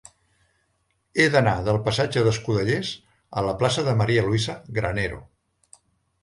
He d'anar del passatge d'Escudellers a la plaça de María Luisa Granero.